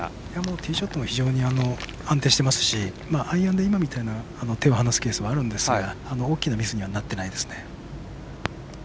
ティーショットも非常に安定していますしアイアンで、今みたいな手を離すケースもあるんですが大きなミスにはなっていないです。